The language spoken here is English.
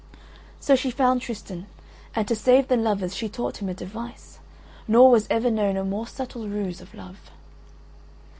So she found Tristan, and to save the lovers she taught him a device, nor was ever known a more subtle ruse of love.